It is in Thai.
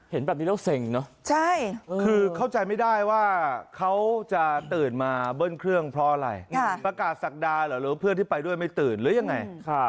เห็นแบบนี้แล้วเซ็งเนอะคือเข้าใจไม่ได้ว่าเขาจะตื่นมาเบิ้ลเครื่องเพราะอะไรประกาศศักดาเหรอหรือเพื่อนที่ไปด้วยไม่ตื่นหรือยังไง